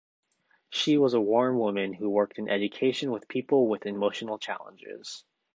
She was a warm woman who worked in education with people with emotional challenges.